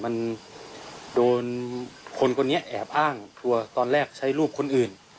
มันโดนคนคนนี้แอบอ้างทัวร์ตอนแรกใช้รูปคนอื่น